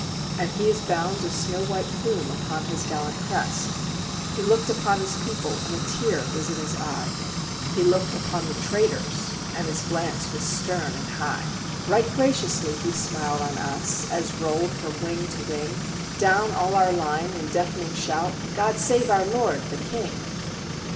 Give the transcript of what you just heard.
And he has bound a snow white plume upon his gallant crest: He looked upon his people, and a tear was in his eye; He looked upon the traitors, and his glance was stern and high. Right graciously he smiled on us, as rolled from wing to wing, Down all our line, in deafening shout, "God save our lord, the King."